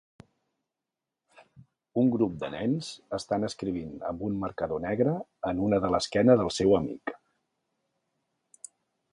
Un grup de nens estan escrivint amb un marcador negre en una de l'esquena del seu amic.